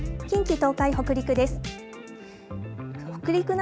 近畿、東海、北陸です。